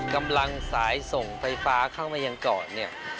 กำลังสายส่งไฟฟ้าเข้ามายังเกาะเนี่ย